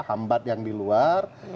hambat yang di luar